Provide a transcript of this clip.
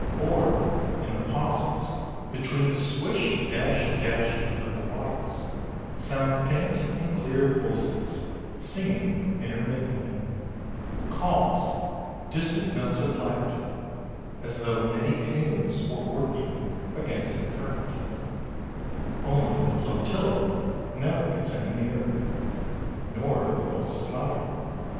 Or, in the pauses between the swish dash dashings of the waters, sound faint and clear voices singing intermittently, calls, distant notes of laughter, as though many canoes were working against the current; only the flotilla never gets any nearer, nor the voices louder.